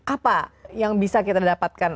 apa yang bisa kita dapatkan